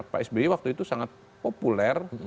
pak sby waktu itu sangat populer